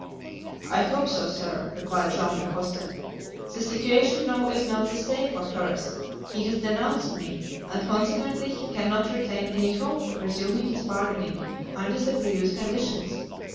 "I hope so, sir," replied Joam Dacosta; "the situation now is not the same for Torres; he has denounced me, and consequently he cannot retain any hope of resuming his bargaining under the previous conditions.